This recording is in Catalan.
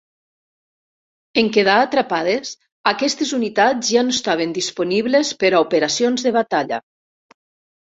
En quedar atrapades, aquestes unitats ja no estaven disponibles per a operacions de batalla.